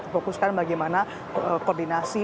fokuskan bagaimana koordinasi